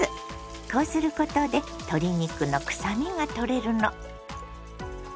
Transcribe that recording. こうすることで鶏肉のくさみが取れるの。